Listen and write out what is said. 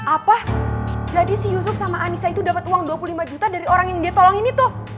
apa jadi si yusuf sama anissa itu dapat uang dua puluh lima juta dari orang yang dia tolong ini tuh